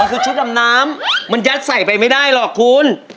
คือชุดดำน้ำมันยัดใส่ไปไม่ได้หรอกคุณ